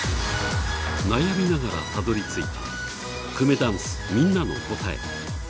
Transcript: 悩みながら、たどり着いたくめだんす、みんなの答え。